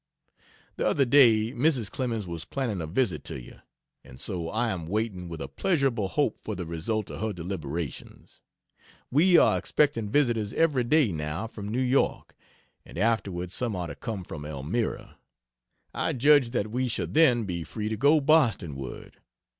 The other day Mrs. Clemens was planning a visit to you, and so I am waiting with a pleasurable hope for the result of her deliberations. We are expecting visitors every day, now, from New York; and afterward some are to come from Elmira. I judge that we shall then be free to go Bostonward.